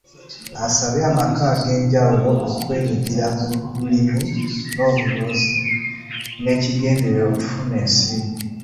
Asabye amaka ag’enjawulo okwenyigira mu bulimi n’obulunzi n’ekigendererwa ky’okufuna ensimbi.